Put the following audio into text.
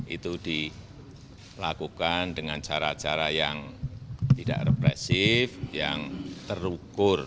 itu dilakukan dengan cara cara yang tidak represif yang terukur